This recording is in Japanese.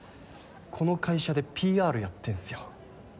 この会社でＰＲやってんすよ